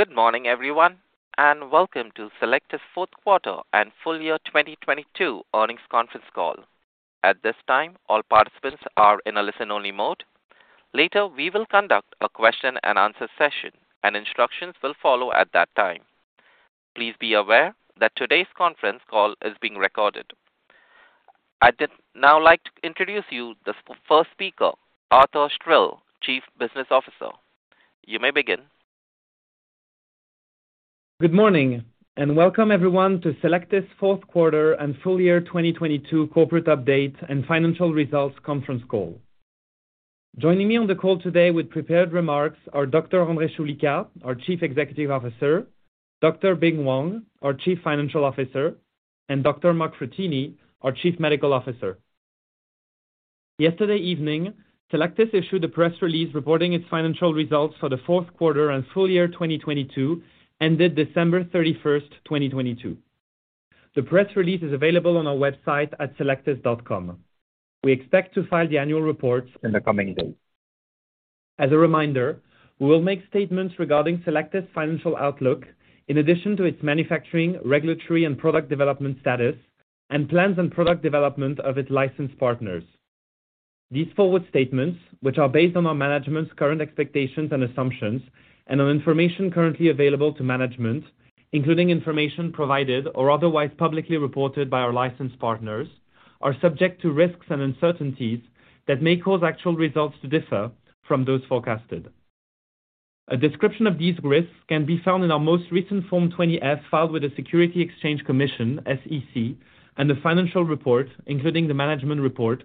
Good morning, everyone, and welcome to Cellectis' Q4 and Full Year 2022 Earnings Conference Call. At this time, all participants are in a listen-only mode. Later, we will conduct a question-and-answer session, and instructions will follow at that time. Please be aware that today's conference call is being recorded. I'd now like to introduce you the first speaker, Arthur Stril, Chief Business Officer. You may begin. Good morning and welcome everyone to Cellectis' Q4 and Full Year 2022 Corporate Update and Financial Results Conference Call. Joining me on the call today with prepared remarks are Dr. André Choulika, our Chief Executive Officer, Dr. Bing Wang, our Chief Financial Officer, and Dr. Mark Frattini, our Chief Medical Officer. Yesterday evening, Cellectis issued a press release reporting its financial results for the Q4 and full year 2022, ended December 31st, 2022. The press release is available on our website at cellectis.com. We expect to file the annual reports in the coming days. As a reminder, we will make statements regarding Cellectis' financial outlook in addition to its manufacturing, regulatory, and product development status and plans and product development of its licensed partners. These forward statements, which are based on our management's current expectations and assumptions and on information currently available to management, including information provided or otherwise publicly reported by our licensed partners, are subject to risks and uncertainties that may cause actual results to differ from those forecasted. A description of these risks can be found in our most recent Form 20-F filed with the Securities and Exchange Commission, SEC, and the financial report, including the management report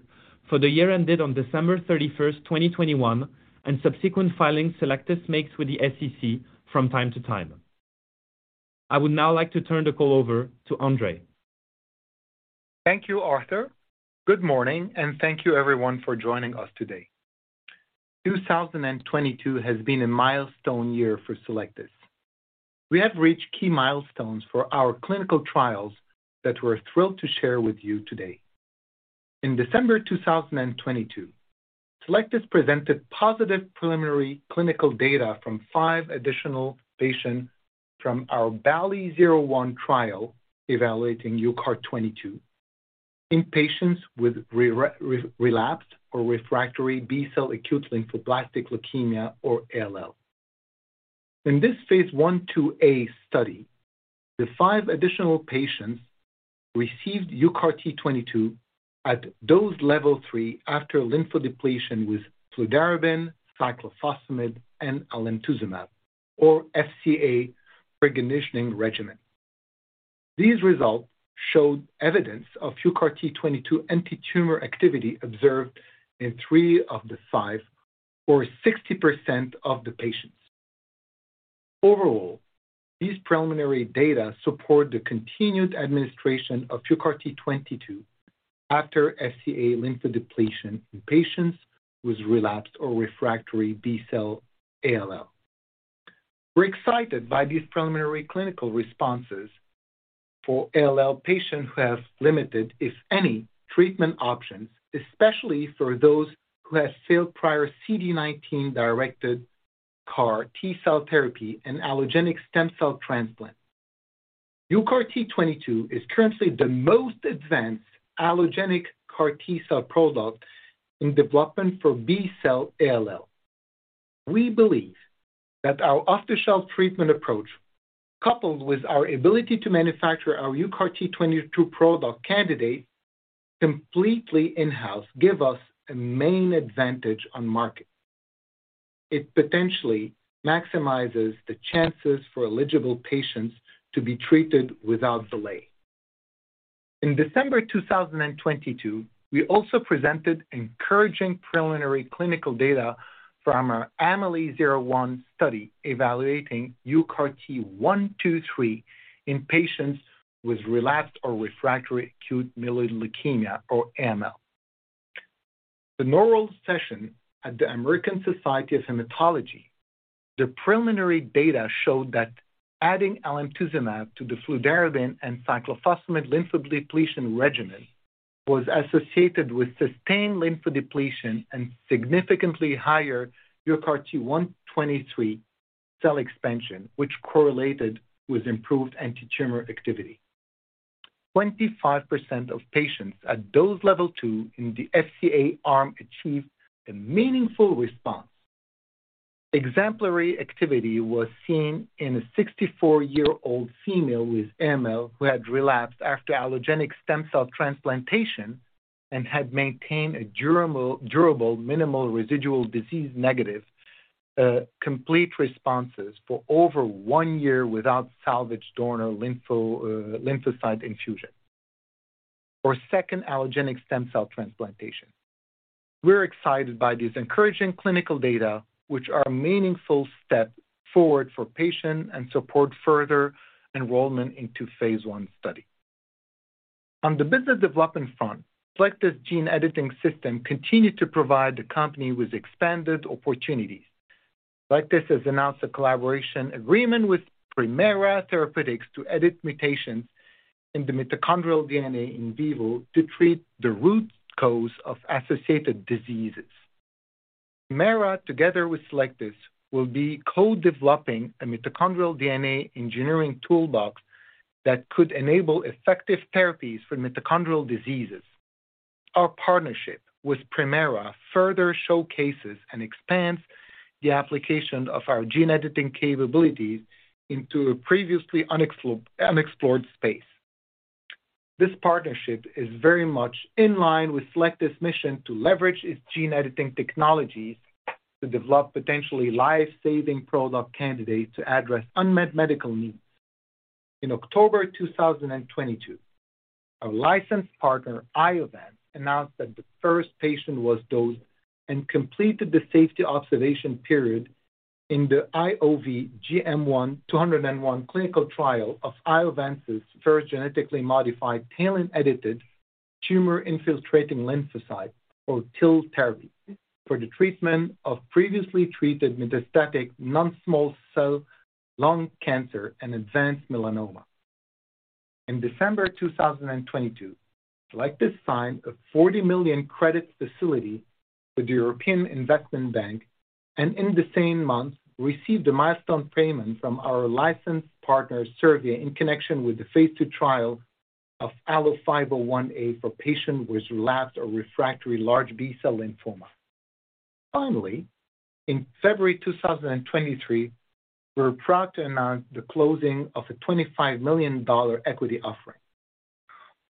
for the year ended on December 31st, 2021, and subsequent filings Cellectis makes with the SEC from time to time. I would now like to turn the call over to André. Thank you, Arthur. Good morning, and thank you everyone for joining us today. 2022 has been a milestone year for Cellectis. We have reached key milestones for our clinical trials that we're thrilled to share with you today. In December 2022, Cellectis presented positive preliminary clinical data from five additional patients from our BALLI-01 trial evaluating UCART22 in patients with relapsed or refractory B-cell acute lymphoblastic leukemia, or ALL. In this Phase I/IIa study, the five additional patients received UCART22 at dose level three after lymphodepletion with fludarabine, cyclophosphamide, and alemtuzumab, or FCA conditioning regimen. These results showed evidence of UCART22 antitumor activity observed in three of the five or 60% of the patients. Overall, these preliminary data support the continued administration of UCART22 after FCA lymphodepletion in patients with relapsed or refractory B-cell ALL. We're excited by these preliminary clinical responses for ALL patients who have limited, if any, treatment options, especially for those who have failed prior CD19 directed CAR T-cell therapy and allogeneic stem cell transplant. UCART22 is currently the most advanced allogeneic CAR T-cell product in development for B-cell ALL. We believe that our off-the-shelf treatment approach, coupled with our ability to manufacture our UCART22 product candidate completely in-house, give us a main advantage on market. It potentially maximizes the chances for eligible patients to be treated without delay. In December 2022, we also presented encouraging preliminary clinical data from our AMELI-01 study evaluating UCART123 in patients with relapsed or refractory acute myeloid leukemia, or AML. The normal session at the American Society of Hematology, the preliminary data showed that adding alemtuzumab to the fludarabine and cyclophosphamide lymphodepletion regimen was associated with sustained lymphodepletion and significantly higher UCART123 cell expansion, which correlated with improved antitumor activity. 25% of patients at dose level 2 in the FCA arm achieved a meaningful response. Exemplary activity was seen in a 64-year-old female with AML who had relapsed after allogeneic stem cell transplantation and had maintained a durable minimal residual disease negative complete responses for over one year without salvaged donor lymphocyte infusion or second allogeneic stem cell transplantation. On the business development front, Cellectis gene editing system continued to provide the company with expanded opportunities. Cellectis has announced a collaboration agreement with Primera Therapeutics to edit mutations in the mitochondrial DNA in vivo to treat the root cause of associated diseases. Primera, together with Cellectis, will be co-developing a mitochondrial DNA engineering toolbox that could enable effective therapies for mitochondrial diseases. Our partnership with Primera further showcases and expands the application of our gene editing capabilities into a previously unexplored space. This partnership is very much in line with Cellectis' mission to leverage its gene editing technologies to develop potentially life-saving product candidates to address unmet medical needs. In October 2022, our licensed partner, Iovance, announced that the first patient was dosed and completed the safety observation period in the IOV-GM1-201 clinical trial of Iovance's first genetically modified TALEN-edited tumor-infiltrating lymphocyte, or TIL therapy, for the treatment of previously treated metastatic non-small cell lung cancer and advanced melanoma. In December 2022, Cellectis signed a $40 million credit facility with the European Investment Bank and, in the same month, received a milestone payment from our licensed partner Servier in connection with the Phase II trial of ALLO-501A for patients with relapsed or refractory large B-cell lymphoma. In February 2023, we're proud to announce the closing of a $25 million equity offering.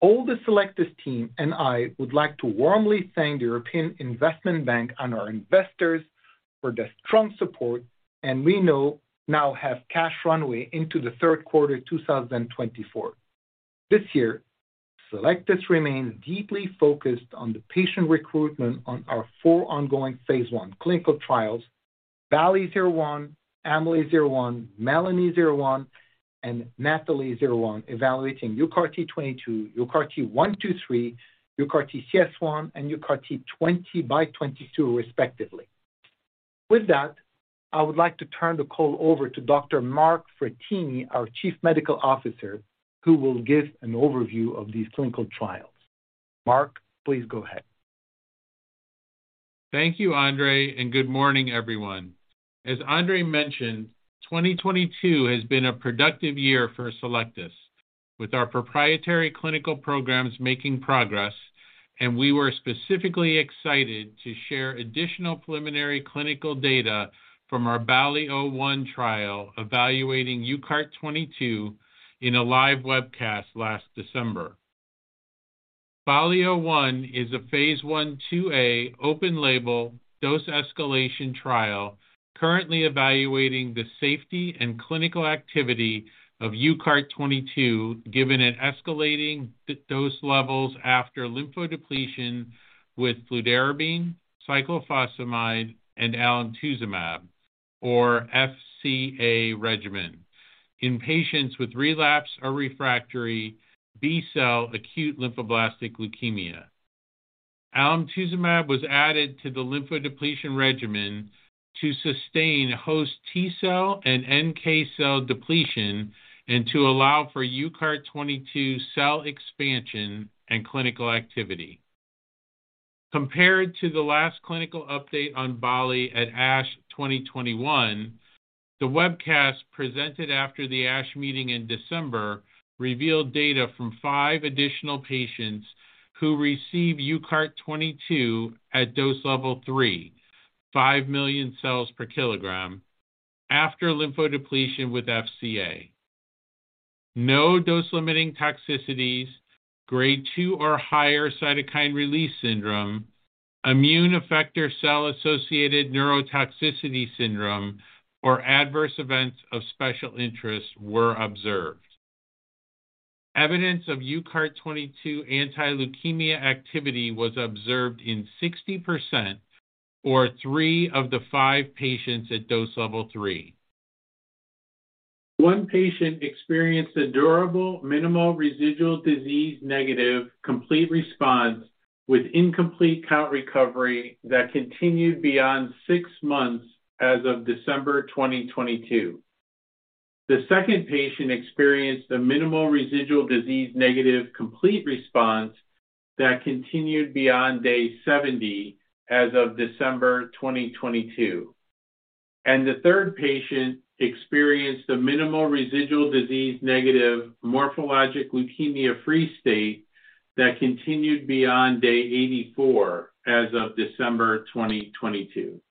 All the Cellectis team and I would like to warmly thank the European Investment Bank and our investors for their strong support, we know now have cash runway into the Q3 2024. This year, Cellectis remains deeply focused on the patient recruitment on our four ongoing Phase I clinical trials, BALLI-01, AMELI-01, MELANI-01, and NATHALI-01, evaluating UCART22, UCART123, UCARTCS1, and UCART20x22 respectively. With that, I would like to turn the call over to Dr. Mark Frattini, our Chief Medical Officer, who will give an overview of these clinical trials. Mark, please go ahead. Thank you, Andre, good morning, everyone. As Andre mentioned, 2022 has been a productive year for Cellectis, with our proprietary clinical programs making progress, and we were specifically excited to share additional preliminary clinical data from our BALLI-01 trial evaluating UCART22 in a live webcast last December. BALLI-01 is a Phase I/IIa open-label dose escalation trial currently evaluating the safety and clinical activity of UCART22 given at escalating dose levels after lymphodepletion with fludarabine, cyclophosphamide, and alemtuzumab, or FCA regimen, in patients with relapse or refractory B-cell acute lymphoblastic leukemia. Alemtuzumab was added to the lymphodepletion regimen to sustain host T cell and NK cell depletion and to allow for UCART22 cell expansion and clinical activity. Compared to the last clinical update on BALLI-01 at ASH 2021, the webcast presented after the ASH meeting in December revealed data from five additional patients who received UCART22 at dose level three, five million cells per kilogram, after lymphodepletion with FCA. No dose-limiting toxicities, Grade two or higher cytokine release syndrome, immune effector cell-associated neurotoxicity syndrome, or adverse events of special interest were observed. Evidence of UCART22 anti-leukemia activity was observed in 60%, or three of the five patients at dose level three. One patient experienced a durable minimal residual disease negative complete response with incomplete count recovery that continued beyond six months as of December 2022. The second patient experienced a minimal residual disease negative complete response that continued beyond day 70 as of December 2022. The third patient experienced a minimal residual disease negative morphologic leukemia-free state that continued beyond day 84 as of December 2022.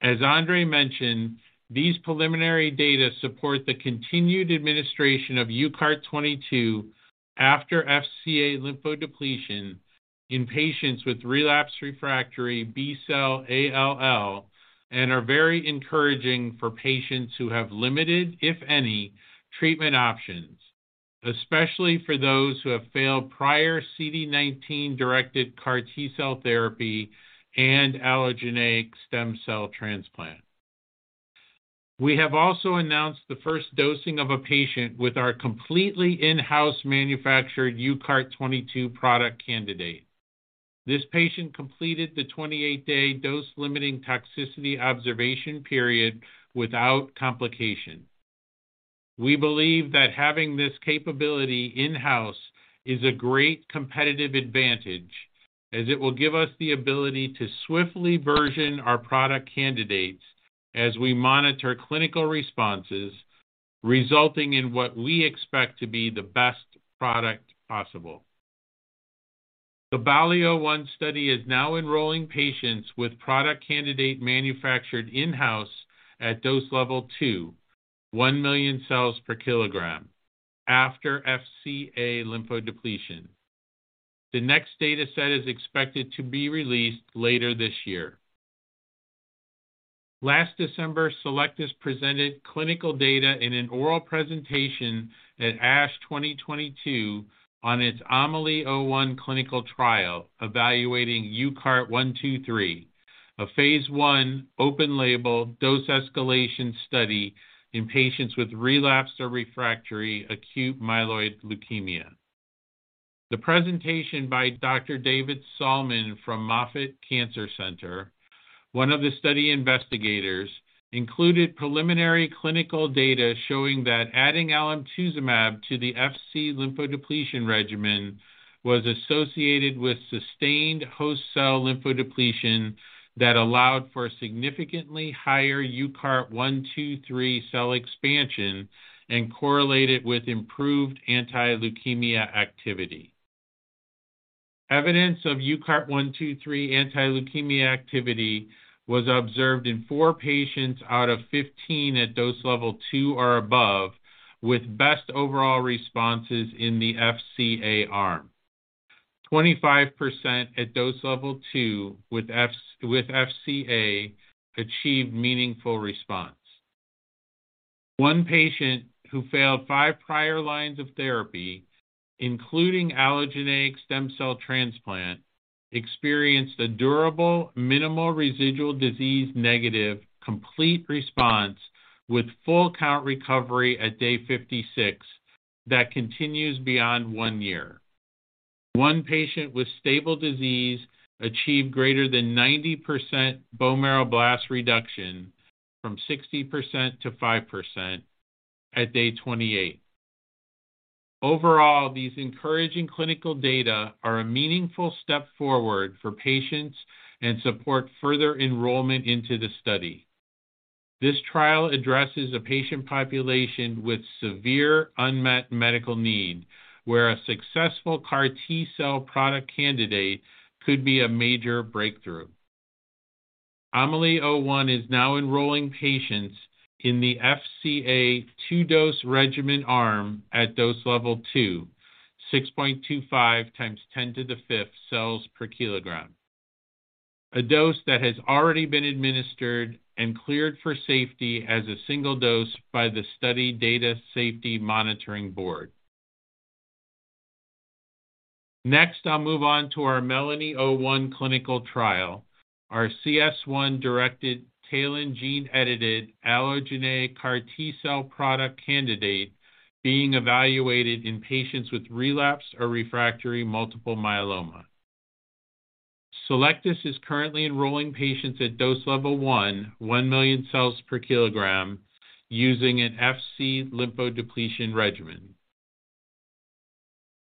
As Andre mentioned, these preliminary data support the continued administration of UCART22 after FCA lymphodepletion in patients with relapse refractory B-cell ALL and are very encouraging for patients who have limited, if any, treatment options, especially for those who have failed prior CD19-directed CAR T-cell therapy and allogeneic stem cell transplant. We have also announced the first dosing of a patient with our completely in-house manufactured UCART22 product candidate. This patient completed the 28-day dose-limiting toxicity observation period without complication. We believe that having this capability in-house is a great competitive advantage as it will give us the ability to swiftly version our product candidates as we monitor clinical responses, resulting in what we expect to be the best product possible. The BALLI-01 study is now enrolling patients with product candidate manufactured in-house at dose level two, one million cells per kilogram after FCA lymphodepletion. The next data set is expected to be released later this year. Last December, Cellectis presented clinical data in an oral presentation at ASH 2022 on its AMELI-01 clinical trial evaluating UCART123, a phase I open label dose escalation study in patients with relapsed or refractory acute myeloid leukemia. The presentation by Dr. David Salmon from Moffitt Cancer Center, one of the study investigators, included preliminary clinical data showing that adding alemtuzumab to the FC lymphodepletion regimen was associated with sustained host cell lymphodepletion that allowed for significantly higher UCART123 cell expansion and correlated with improved anti-leukemia activity. Evidence of UCART123 anti-leukemia activity was observed in four patients out of 15 at dose level two or above, with best overall responses in the FCA arm. 25% at dose level two with FCA achieved meaningful response. One patient who failed five prior lines of therapy, including allogeneic stem cell transplant, experienced a durable minimal residual disease, negative complete response with full count recovery at day 56 that continues beyond one year. One patient with stable disease achieved greater than 90% bone marrow blast reduction from 60% to 5% at day 28. Overall, these encouraging clinical data are a meaningful step forward for patients and support further enrollment into the study. This trial addresses a patient population with severe unmet medical need, where a successful CAR T-cell product candidate could be a major breakthrough. AMELI-01 is now enrolling patients in the FCA two-dose regimen arm at dose level two, 6.25 x 10^5 cells per kilogram. A dose that has already been administered and cleared for safety as a single dose by the study data safety monitoring board. Next, I'll move on to our MELANI-01 clinical trial. Our CS1-directed TALEN gene-edited allogeneic CAR T-cell product candidate being evaluated in patients with relapsed or refractory multiple myeloma. Cellectis is currently enrolling patients at dose level one million cells per kilogram using an FC lymphodepletion regimen.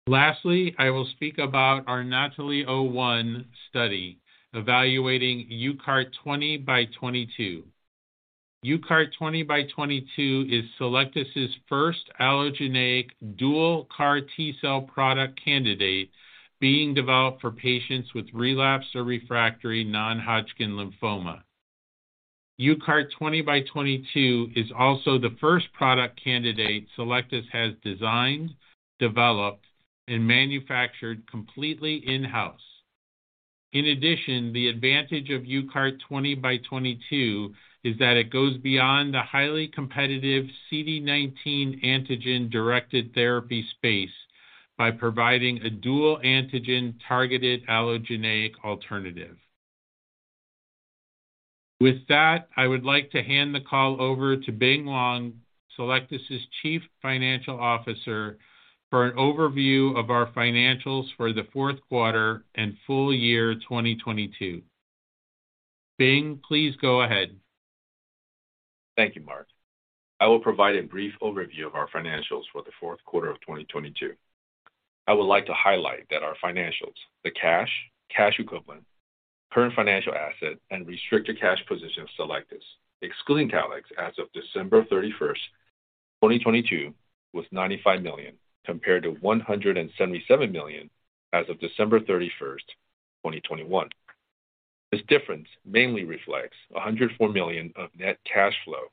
Lastly, I will speak about our NATHALI-01 study evaluating UCART20x22. UCART20x22 is Cellectis' first allogeneic dual CAR T-cell product candidate being developed for patients with relapsed or refractory non-Hodgkin lymphoma. UCART20x22 is also the first product candidate Cellectis has designed, developed, and manufactured completely in-house. In addition, the advantage of UCART20x22 is that it goes beyond the highly competitive CD19 antigen-directed therapy space by providing a dual antigen-targeted allogeneic alternative. With that, I would like to hand the call over to Bing Wang, Cellectis' Chief Financial Officer, for an overview of our financials for the Q4 and full year 2022. Bing, please go ahead. Thank you, Mark. I will provide a brief overview of our financials for the Q4 of 2022. I would like to highlight that our financials, the cash equivalent, current financial asset, and restricted cash position of Cellectis, excluding Calyxt as of December 31st, 2022, was $95 million, compared to $177 million as of December 31st, 2021. This difference mainly reflects $104 million of net cash flow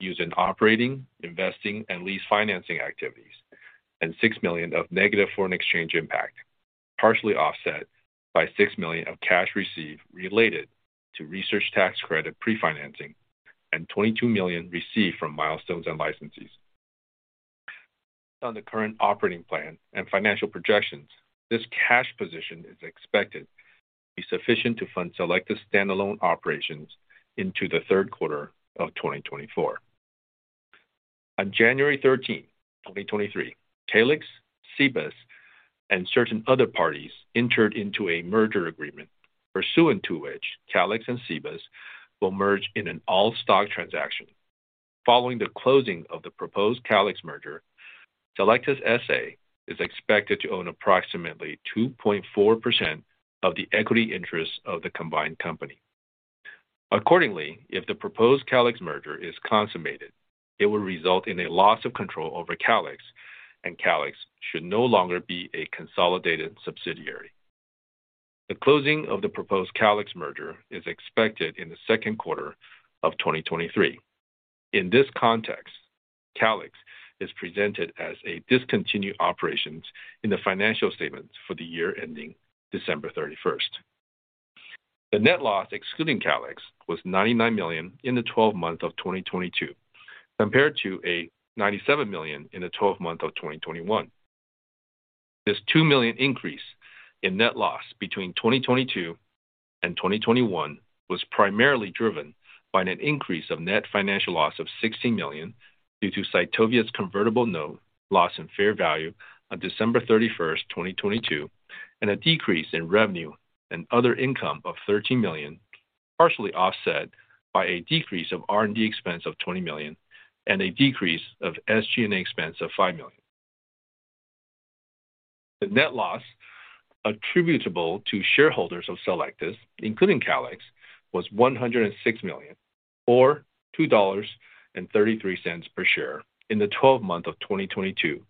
used in operating, investing, and lease financing activities, and $6 million of negative foreign exchange impact, partially offset by $6 million of cash received related to research tax credit pre-financing and $22 million received from milestones and licensees. Based on the current operating plan and financial projections, this cash position is expected to be sufficient to fund Cellectis' standalone operations into the Q3 of 2024. On January 13, 2023, Calyxt, Cibus, and certain other parties entered into a merger agreement. Pursuant to which Calyxt and Cibus will merge in an all-stock transaction. Following the closing of the propose Calyxt merger, Cellectis SA is expected to own approximately 2.4% of the equity interest of the combined company. Accordingly, if the proposed Calyxt merger is consummated, it will result in a loss of control over Calyxt, and Calyxt should no longer be a consolidated subsidiary. The closing of the proposed Calyxt merger is expected in the second quarter of 2023. In this context, Calyxt is presented as a discontinued operation in the financial statements for the year ending December 31. The net loss, excluding Calyxt was $99 million in the 12 months of 2022 compared to a $97 million in the 12 months of 2021. This $2 million increase in net loss between 2022 and 2021 was primarily driven by an increase of net financial loss of $60 million due to Cytovia’s convertible note loss in fair value on December 31, 2022, and a decrease in revenue and other income of $13 million, partially offset by a decrease of R&D expense of $20 million and a decrease of SG&A expense of $5 million. The net loss attributable to shareholders of Cellectis, including Calyxt, was $106 million, or $2.33 per share in the 12 months of 2022,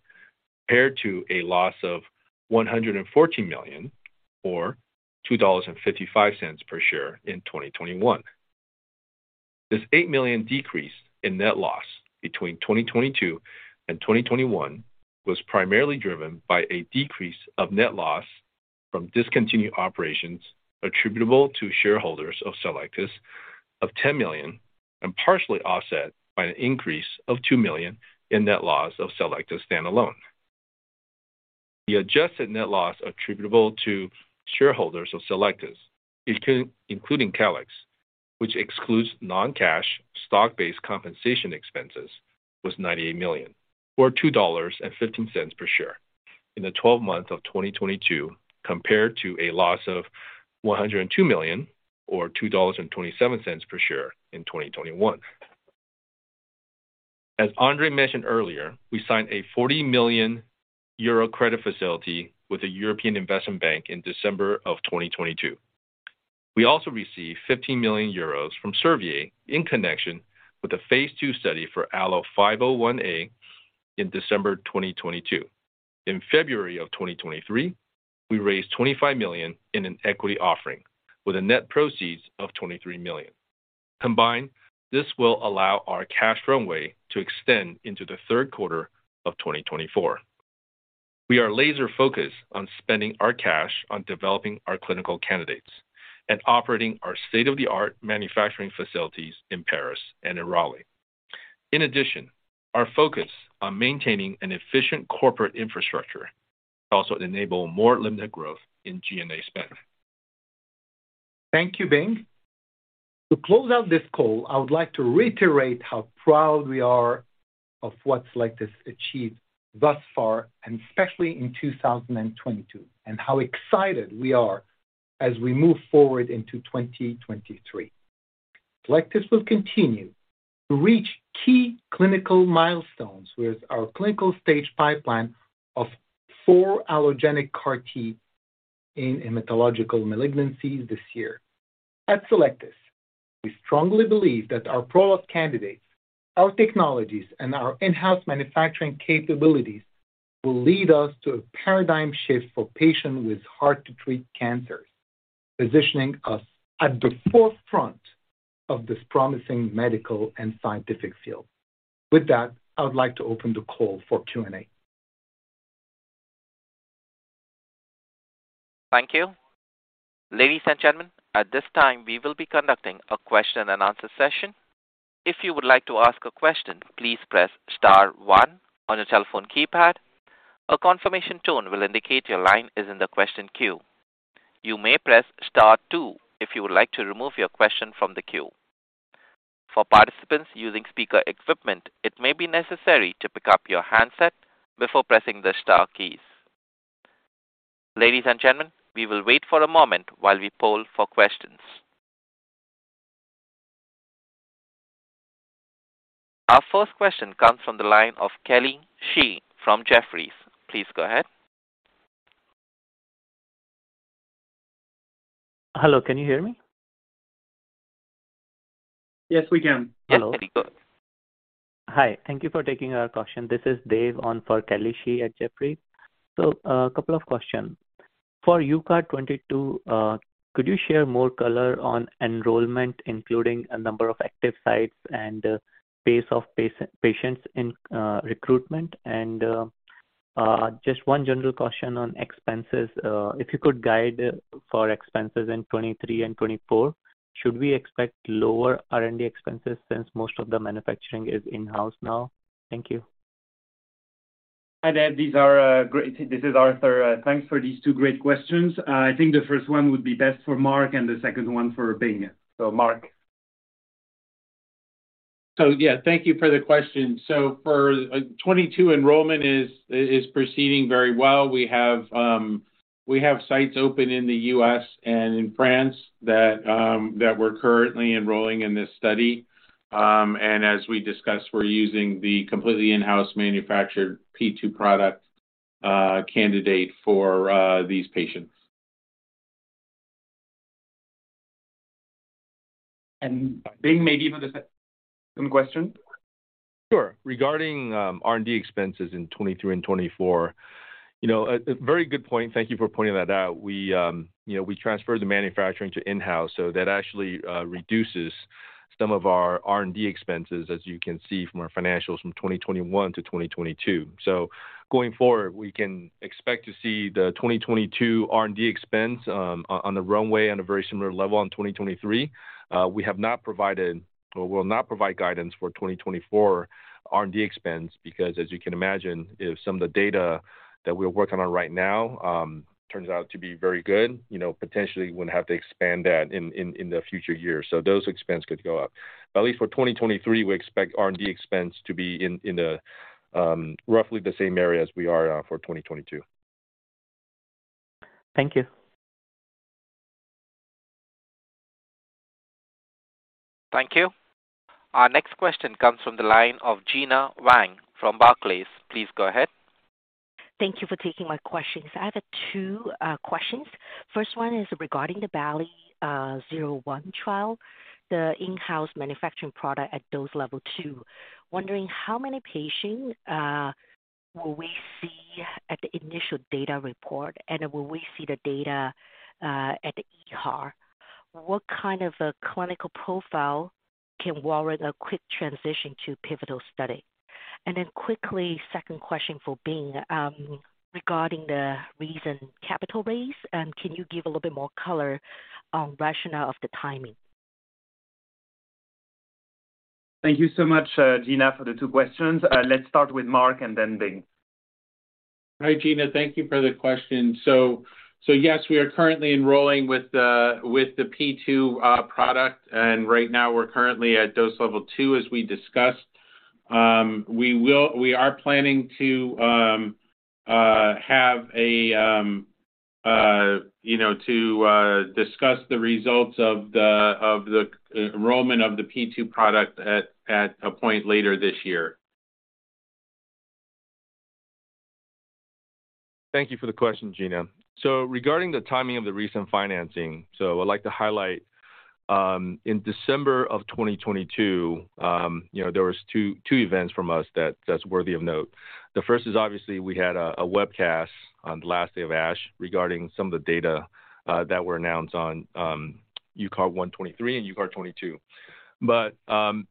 compared to a loss of $140 million or $2.55 per share in 2021. This $8 million decrease in net loss between 2022 and 2021 was primarily driven by a decrease of net loss from discontinued operations attributable to shareholders of Cellectis of $10 million and partially offset by an increase of $2 million in net loss of Cellectis standalone. The adjusted net loss attributable to shareholders of Cellectis, including Calyxt, which excludes non-cash stock-based compensation expenses, was $98 million or $2.15 per share in the 12 months of 2022 compared to a loss of $102 million or $2.27 per share in 2021. As Andre mentioned earlier, we signed a 40 million euro credit facility with the European Investment Bank in December of 2022. We also received 15 million euros from Servier in connection with the Phase two study for ALLO-501A in December 2022. In February of 2023, we raised $25 million in an equity offering, with a net proceeds of $23 million. Combined, this will allow our cash runway to extend into the third quarter of 2024. We are laser-focused on spending our cash on developing our clinical candidates, and operating our state-of-the-art manufacturing facilities in Paris and in Raleigh. In addition, our focus on maintaining an efficient corporate infrastructure to also enable more limited growth in G&A spend. Thank you, Bing. To close out this call, I would like to reiterate how proud we are of what Cellectis has achieved thus far and especially in 2022, and how excited we are as we move forward into 2023. Cellectis will continue to reach key clinical milestones with our clinical stage pipeline of four allogenic CAR-T in hematological malignancies, this year. At Cellectis, we strongly believe that our product candidates, our technologies and our in-house manufacturing capabilities will lead us to a paradigm shift for patients with hard-to-treat cancers, positioning us at the forefront of this promising medical and scientific field. With that, I would like to open the call for Q&A. Thank you. Ladies and gentlemen, at this time, we will be conducting a question and answer session. If you would like to ask a question, please press star one on your telephone keypad. A confirmation tone will indicate your line is in the question queue. You may press star two if you would like to remove your question from the queue. For participants using speaker equipment, it may be necessary to pick up your handset before pressing the star keys. Ladies and gentlemen, we will wait for a moment while we poll for questions. Our first question comes from the line of Kelly Shi from Jefferies. Please go ahead. Hello, can you hear me? Yes, we can. Hello. Kelly, go ahead. Hi. Thank you for taking our question. This is Dev on for Kelly Shi at Jefferies. Couple of questions. For UCART22, could you share more color on enrollment, including a number of active sites and pace of patients in recruitment? Just one general question on expenses. If you could guide for expenses in 2023 and 2024, should we expect lower R&D expenses since most of the manufacturing is in-house now? Thank you. Hi there. This is Arthur. Thanks for these two great questions. I think the first one would be best for Mark and the second one for Bing. Mark? Yeah, thank you for the question. For UCART22 enrollment is proceeding very well. We have sites open in the U.S. and in France that we're currently enrolling in this study. As we discussed, we're using the completely in-house manufactured Process two product candidate for these patients. Bing, maybe for the second question. Sure. Regarding R&D expenses in 2023 and 2024, you know, a very good point. Thank you for pointing that out. We, you know, we transferred the manufacturing to in-house, so that actually reduces some of our R&D expenses, as you can see from our financials from 2021 to 2022. Going forward, we can expect to see the 2022 R&D expense, on the runway on a very similar level in 2023. We have not provided or will not provide guidance for 2024 R&D expense because as you can imagine, if some of the data that we're working on right now, turns out to be very good, you know, potentially wouldn't have to expand that in the future years. Those expense could go up. At least for 2023, we expect R&D expense to be in the roughly the same area as we are for 2022. Thank you. Thank you. Our next question comes from the line of Gena Wang from Barclays. Please go ahead. Thank you for taking my questions. I have two questions. First one is regarding the BALLI-01 trial, the in-house manufacturing product at dose level two. Wondering how many patients will we see at the initial data report, and will we see the data at the EHA? What kind of a clinical profile can warrant a quick transition to pivotal study? Quickly, second question for Bing, regarding the recent capital raise, can you give a little bit more color on rationale of the timing? Thank you so much, Gena, for the two questions. Let's start with Mark and then Bing. Hi, Gena. Thank you for the question. Yes, we are currently enrolling with the Process two product. Right now we're currently at dose level two, as we discussed. We are planning to have a, you know, to discuss the results of the enrollment of the Process two product at a point later this year. Thank you for the question, Gena. Regarding the timing of the recent financing, I'd like to highlight, in December of 2022, you know, there was two events from us that's worthy of note. The first is obviously we had a webcast on the last day of ASH regarding some of the data that were announced on UCART123 and UCART22.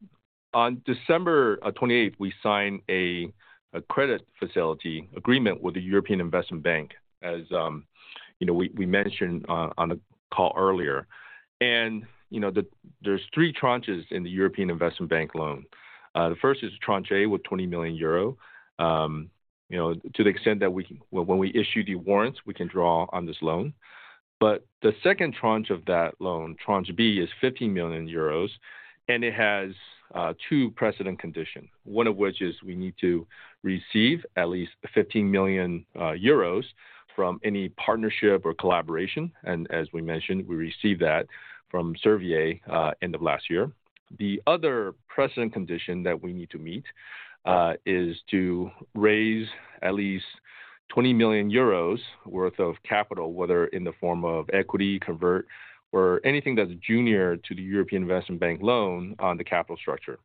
On December 28th, we signed a credit facility agreement with the European Investment Bank, as, you know, we mentioned on the call earlier. You know, there's three tranches in the European Investment Bank loan. The first is Tranche A with 20 million euro. You know, to the extent that when we issue the warrants, we can draw on this loan. The second tranche of that loan, Tranche B, is 15 million euros, and it has two precedent conditions, one of which is we need to receive at least 15 million euros from any partnership or collaboration. As we mentioned, we received that from Servier end of last year. The other precedent condition that we need to meet is to raise at least 20 million euros worth of capital, whether in the form of equity, convert, or anything that's junior to the European Investment Bank loan on the capital structure.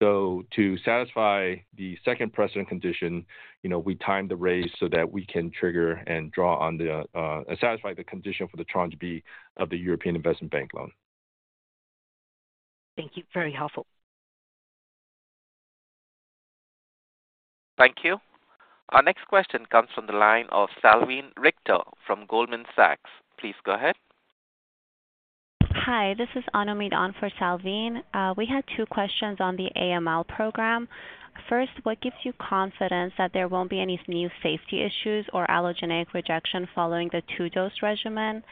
To satisfy the second precedent condition, you know, we timed the raise so that we can trigger and draw on the satisfy the condition for the Tranche B of the European Investment Bank loan. Thank you. Very helpful. Thank you. Our next question comes from the line of Salveen Richter from Goldman Sachs. Please go ahead. Hi, this is Anupam for Salveen. We had two questions on the AML program. First, what gives you confidence that there won't be any new safety issues or allogeneic rejection following the two-dose regimen?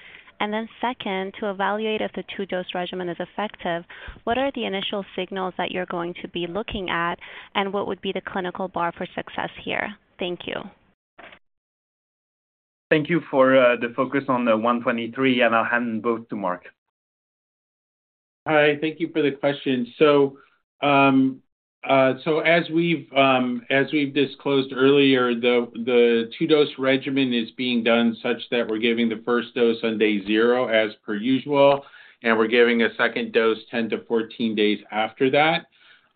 Second, to evaluate if the two-dose regimen is effective, what are the initial signals that you're going to be looking at, and what would be the clinical bar for success here? Thank you. Thank you for, the focus on the 123, and I'll hand both to Mark. All right. Thank you for the question. As we've disclosed earlier, the two-dose regimen is being done such that we're giving the first dose on day zero as per usual, and we're giving a second dose 10 to 14 days after that.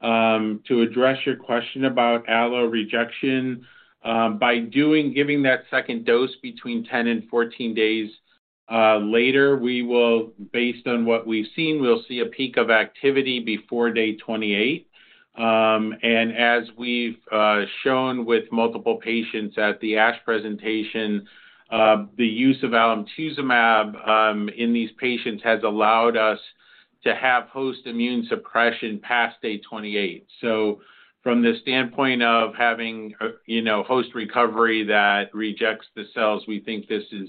To address your question about allo rejection, giving that second dose between 10 and 14 days later, we will, based on what we've seen, we'll see a peak of activity before day 28. And as we've shown with multiple patients at the ASH presentation, the use of alemtuzumab in these patients has allowed us to have host immune suppression past day 28. From the standpoint of having a, you know, host recovery that rejects the cells, we think this is,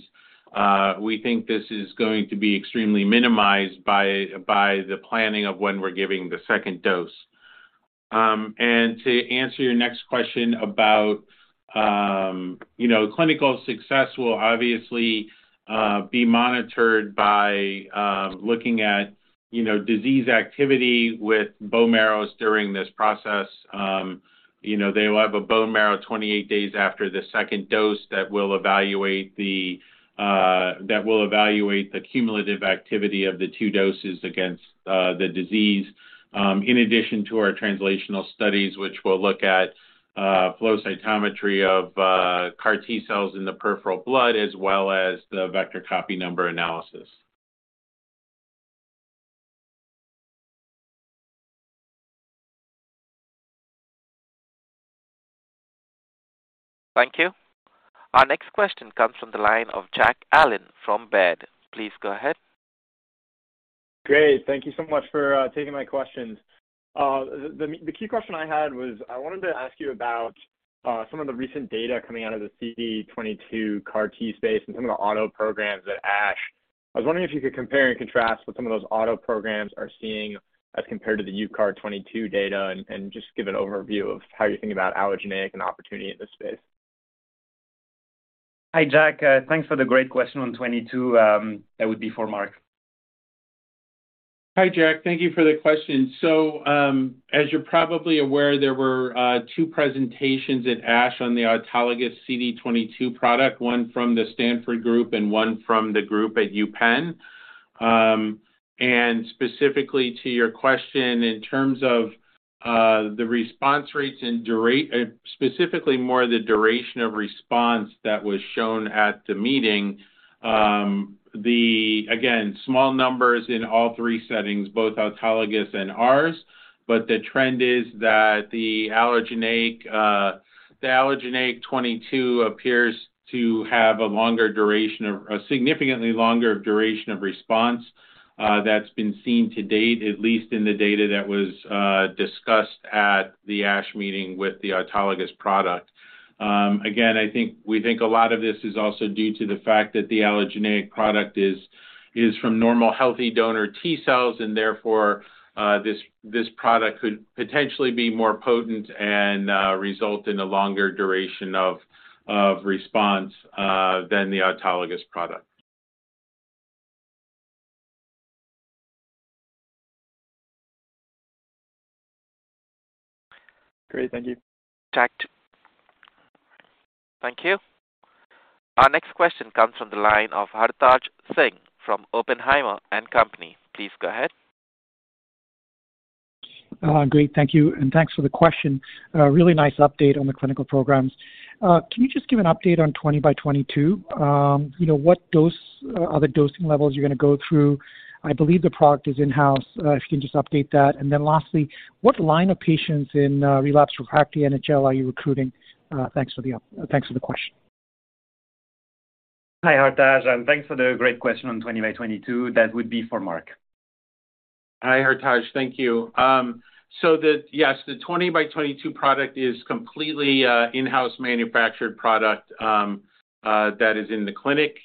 we think this is going to be extremely minimized by the planning of when we're giving the second dose. To answer your next question about, you know, clinical success will obviously be monitored by looking at, you know, disease activity with bone marrows during this process. You know, they will have a bone marrow 28 days after the second dose that will evaluate the, that will evaluate the cumulative activity of the two doses against the disease, in addition to our translational studies, which will look at flow cytometry of CAR T-cells in the peripheral blood as well as the vector copy number analysis. Thank you. Our next question comes from the line of Jack Allen from Baird. Please go ahead. Great. Thank you so much for taking my questions. The key question I had was I wanted to ask you about some of the recent data coming out of the CD22 CAR T space and some of the auto programs at ASH. I was wondering if you could compare and contrast what some of those auto programs are seeing as compared to the UCART22 data and just give an overview of how you think about allogeneic and opportunity in this space. Hi, Jack. thanks for the great question on 22. that would be for Mark. Hi, Jack. Thank you for the question. As you're probably aware, there were two presentations at ASH on the autologous CD22 product, one from the Stanford group and one from the group at UPenn. Specifically to your question, in terms of the response rates and specifically more the duration of response that was shown at the meeting. Again, small numbers in all three settings, both autologous and ours, but the trend is that the allogeneic 22 appears to have a significantly longer duration of response that's been seen to date, at least in the data that was discussed at the ASH meeting with the autologous product. Again, I think we think a lot of this is also due to the fact that the allogeneic product is from normal healthy donor T cells and therefore, this product could potentially be more potent and result in a longer duration of response than the autologous product. Great. Thank you. Thank you. Our next question comes from the line of Hartaj Singh from Oppenheimer & Co. Please go ahead. Great. Thank you, and thanks for the question. Really nice update on the clinical programs. Can you just give an update on UCART20x22? You know, what dose are the dosing levels you're gonna go through? I believe the product is in-house, if you can just update that. Lastly, what line of patients in relapsed/refractory NHL are you recruiting? Thanks for the question. Hi, Hartaj. Thanks for the great question on 20x22. That would be for Mark. Hi, Hartaj. Thank you. Yes, the UCART20x22 product is completely in-house manufactured product that is in the clinic.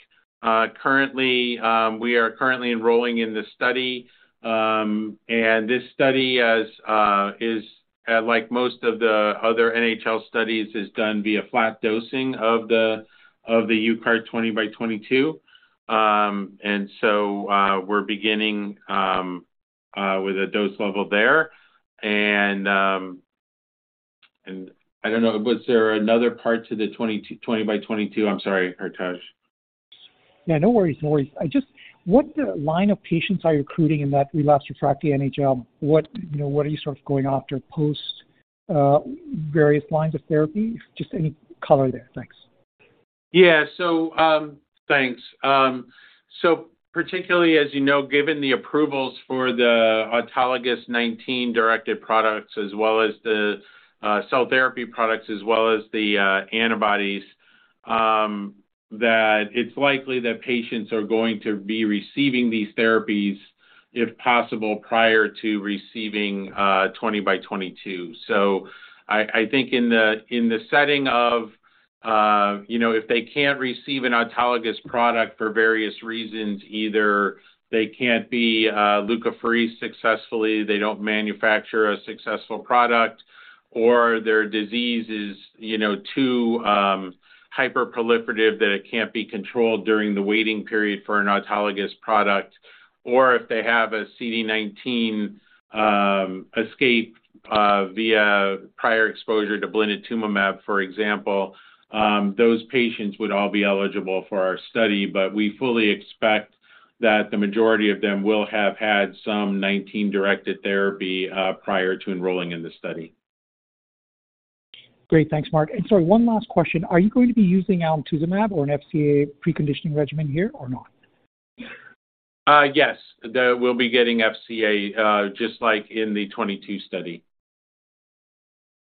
Currently, we are currently enrolling in the study. This study as is like most of the other NHL studies, is done via flat dosing of the UCART20x22. So, we're beginning with a dose level there. I don't know, was there another part to the UCART20x22? I'm sorry, Hartaj. No worries. No worries. Just what line of patients are you recruiting in that relapsed refractory NHL? What, you know, what are you sort of going after post, various lines of therapy? Just any color there? Thanks. Thanks. Particularly, as you know, given the approvals for the autologous 19-directed products as well as the cell therapy products as well as the antibodies, that it's likely that patients are going to be receiving these therapies, if possible, prior to receiving 20x22. I think in the setting of, you know, if they can't receive an autologous product for various reasons, either they can't be leukapheresed successfully, they don't manufacture a successful product, or their disease is, you know, too hyperproliferative that it can't be controlled during the waiting period for an autologous product, or if they have a CD19 escape via prior exposure to blinatumomab, for example, those patients would all be eligible for our study. We fully expect that the majority of them will have had some CD19-directed therapy, prior to enrolling in the study. Great. Thanks, Mark. Sorry, one last question. Are you going to be using alemtuzumab or an FCA preconditioning regimen here or not? Yes. We'll be getting FCA, just like in the 22 study.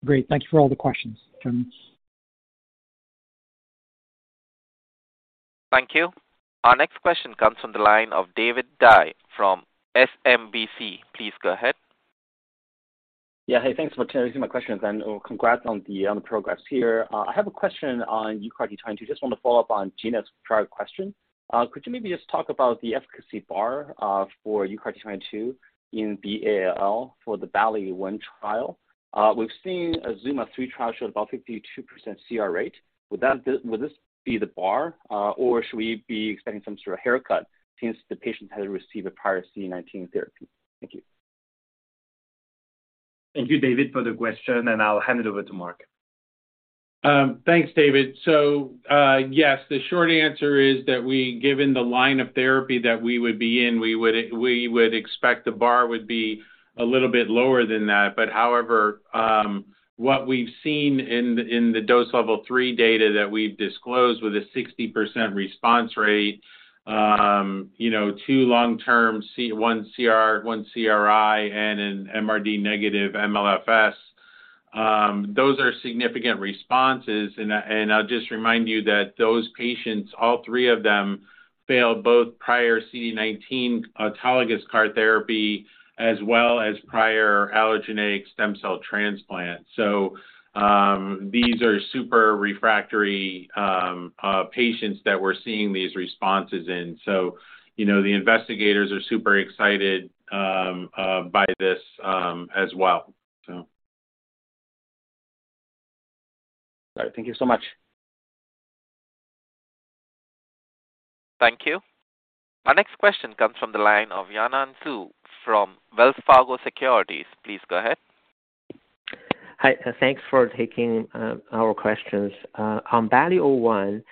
Great. Thanks for all the questions, gentlemen. Thank you. Our next question comes from the line of David Dai from SMBC. Please go ahead. Yeah. Hey, thanks for taking my questions and congrats on the progress here. I have a question on UCART22. Just want to follow up on Gena's prior question. Could you maybe just talk about the efficacy bar for UCART22 in the ALL for the BALLI-01 trial? We've seen a ZUMA-3 trial show about 52% CR rate. Would this be the bar, or should we be expecting some sort of haircut since the patient has received a prior CD19 therapy? Thank you. Thank you, David Dai, for the question, and I'll hand it over to Mark Frattini. Thanks, David. Yes, the short answer is that we, given the line of therapy that we would be in, we would expect the bar would be a little bit lower than that. However, what we've seen in the dose level 3 data that we've disclosed with a 60% response rate, you know, two long-term C, one CR, one CRI and an MRD negative MLFS, those are significant responses. I'll just remind you that those patients, all three of them, failed both prior CD19 autologous CAR therapy as well as prior allogeneic stem cell transplant. These are super refractory patients that we're seeing these responses in. You know, the investigators are super excited by this as well. All right. Thank you so much. Thank you. Our next question comes from the line of Yanan Zhu from Wells Fargo Securities. Please go ahead. Hi. Thanks for taking our questions. On BALLI-01,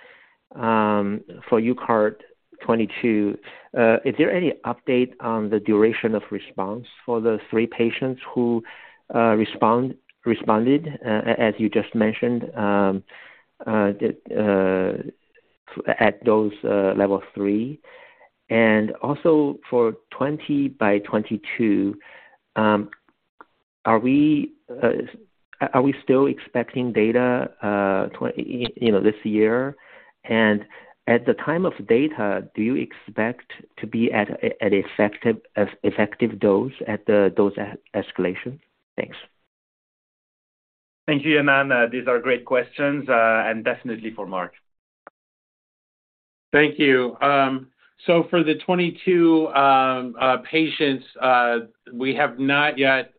for UCART22, is there any update on the duration of response for the three patients who responded, as you just mentioned, the at dose level three? Also for UCART20x22, are we still expecting data, you know, this year? At the time of data, do you expect to be at an effective dose at the dose escalation? Thanks. Thank you, Yanan. These are great questions, and definitely for Mark. Thank you. For the 22 patients, we have not yet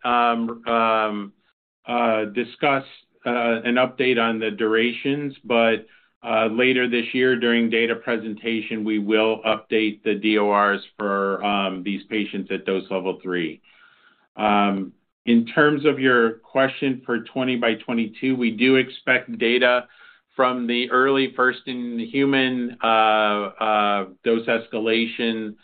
discussed an update on the durations. Later this year during data presentation, we will update the DORs for these patients at dose level three. In terms of your question for 20x22, we do expect data from the early first in human dose escalation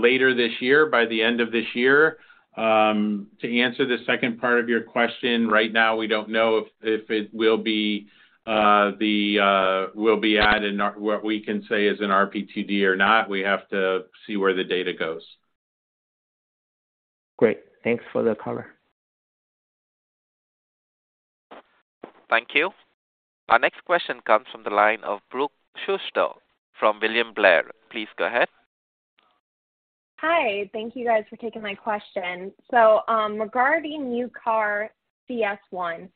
later this year, by the end of this year. To answer the second part of your question, right now we don't know if it will be at an, what we can say is an RPTD or not. We have to see where the data goes. Great. Thanks for the color. Thank you. Our next question comes from the line of Brooke Schuster from William Blair. Please go ahead. Hi. Thank you guys for taking my question. Regarding UCARTCS1,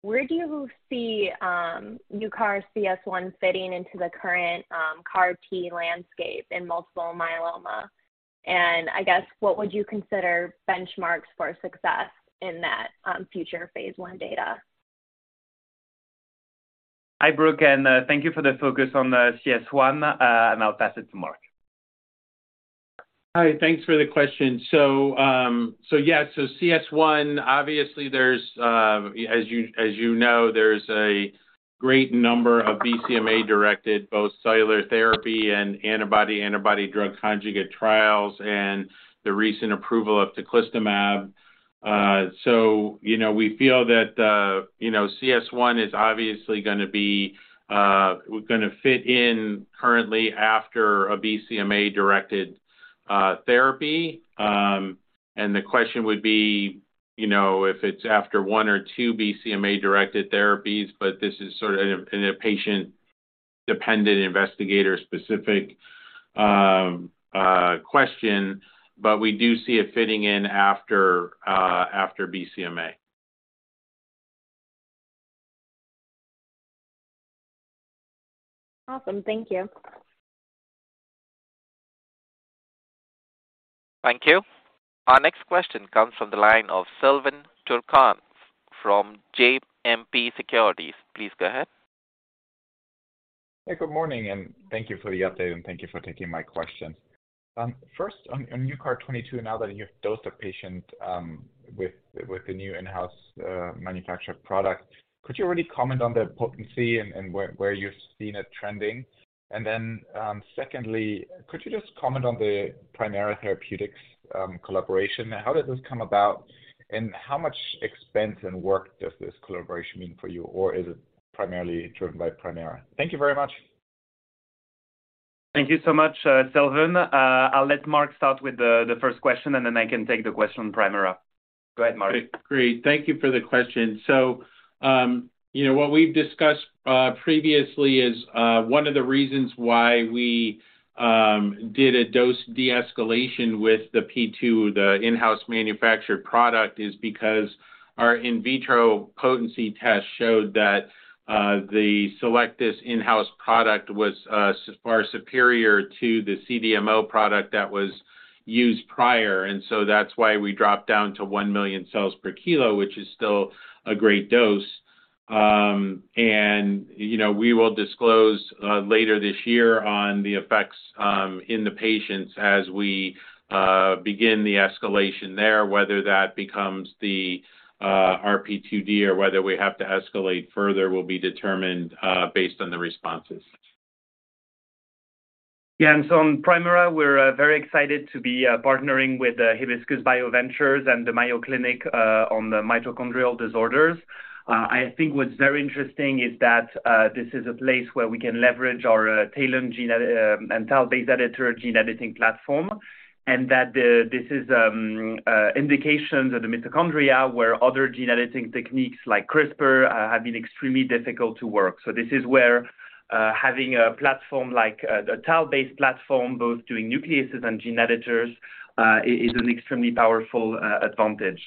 where do you see UCARTCS1 fitting into the current CAR T landscape in multiple myeloma? I guess, what would you consider benchmarks for success in that future phase I data? Hi, Brooke, thank you for the focus on the CS1, and I'll pass it to Mark. Hi. Thanks for the question. CS1, obviously, there's, as you, as you know, there's a great number of BCMA-directed, both cellular therapy and antibody-drug conjugate trials and the recent approval of teclistamab. You know, we feel that, you know, CS1 is obviously gonna be gonna fit in currently after a BCMA-directed therapy. The question would be, you know, if it's after one or two BCMA-directed therapies, but this is sort of in a patient-dependent, investigator-specific question. We do see it fitting in after BCMA. Awesome. Thank you. Thank you. Our next question comes from the line of Silvan Tuerkcan from JMP Securities. Please go ahead. Hey, good morning, and thank you for the update, and thank you for taking my question. First on UCART22, now that you've dosed a patient, with the new in-house manufactured product, could you already comment on the potency and where you're seeing it trending? Secondly, could you just comment on the Primera Therapeutics collaboration? How did this come about, and how much expense and work does this collaboration mean for you, or is it primarily driven by Primera? Thank you very much. Thank you so much, Silvan. I'll let Mark start with the first question. I can take the question on Primera. Go ahead, Mark. Great. Thank you for the question. You know, what we've discussed previously is one of the reasons why we did a dose de-escalation with the P2, the in-house manufactured product, is because our in vitro potency test showed that the Cellectis in-house product was far superior to the CDMO product that was used prior. That's why we dropped down to one million cells per kilo, which is still a great dose. You know, we will disclose later this year on the effects in the patients as we begin the escalation there, whether that becomes the RP2D or whether we have to escalate further will be determined based on the responses. Yeah. On Primera, we're very excited to be partnering with Hibiscus BioVentures and the Mayo Clinic on the mitochondrial disorders. I think what's very interesting is that this is a place where we can leverage our TALEN gene and TALE base editor gene editing platform, and that this is indications of the mitochondria where other gene editing techniques like CRISPR have been extremely difficult to work. This is where having a platform like the TAL-based platform, both doing nucleases and gene editors, is an extremely powerful advantage.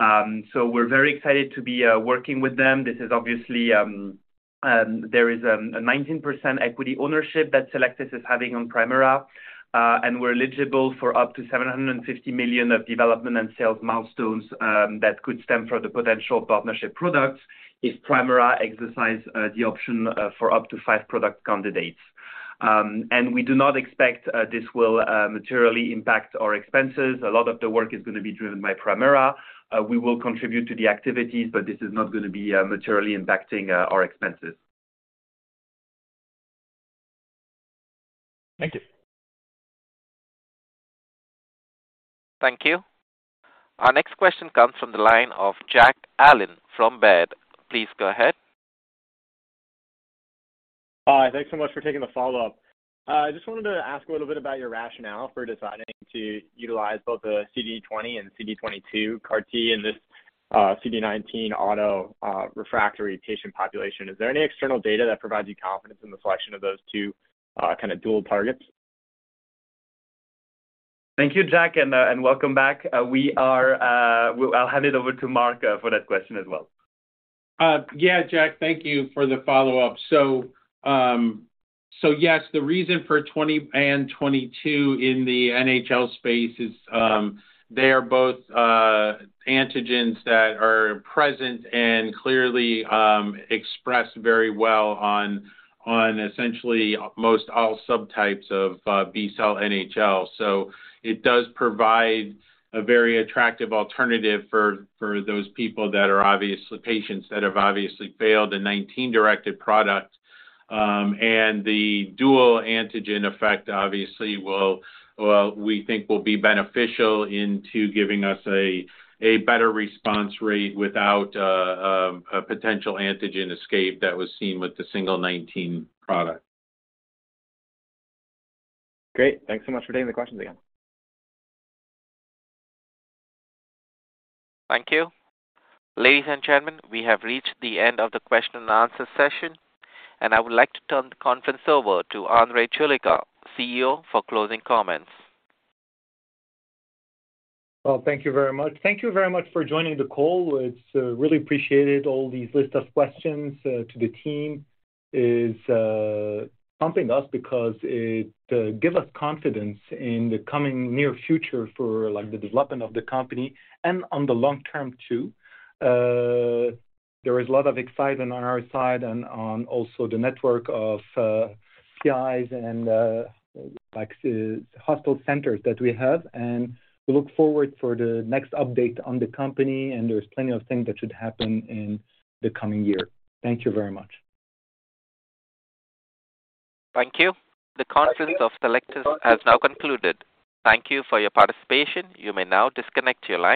We're very excited to be working with them. This is obviously, there is a 19% equity ownership that Cellectis is having on Primera. We're eligible for up to $750 million of development and sales milestones that could stem from the potential partnership products if Primera exercise the option for up to five product candidates. We do not expect this will materially impact our expenses. A lot of the work is gonna be driven by Primera. We will contribute to the activities, but this is not gonna be materially impacting our expenses. Thank you. Thank you. Our next question comes from the line of Jack Allen from Baird. Please go ahead. Hi. Thanks so much for taking the follow-up. Just wanted to ask a little bit about your rationale for deciding to utilize both the CD20 and CD22 CAR T in this, CD19 auto, refractory patient population? Is there any external data that provides you confidence in the selection of those two, kinda dual targets? Thank you, Jack, and welcome back. We are, I'll hand it over to Mark for that question as well. Yeah, Jack, thank you for the follow-up. Yes, the reason for 20 and 22 in the NHL space is, they are both antigens that are present and clearly expressed very well on essentially most all subtypes of B-cell NHL. It does provide a very attractive alternative for those patients that have obviously failed a 19-directed product. The dual antigen effect obviously we think will be beneficial into giving us a better response rate without a potential antigen escape that was seen with the single 19 product. Great. Thanks so much for taking the questions again. Thank you. Ladies and gentlemen, we have reached the end of the question and answer session, and I would like to turn the conference over to André Choulika, CEO, for closing comments. Well, thank you very much. Thank you very much for joining the call. It's really appreciated. All these list of questions to the team is pumping us because it give us confidence in the coming near future for, like, the development of the company and on the long term too. There is a lot of excitement on our side and on also the network of CIs and like hospital centers that we have, and we look forward for the next update on the company, and there's plenty of things that should happen in the coming year. Thank you very much. Thank you. The conference of Cellectis has now concluded. Thank you for your participation. You may now disconnect your line.